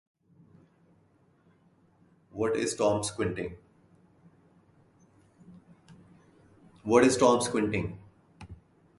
Why is Tom squinting?